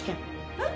えっ？